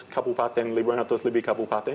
kabupaten lima ratus lebih kabupaten